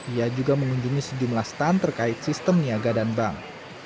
ia juga mengunjungi sejumlah stand terkait sistem niaga dan bank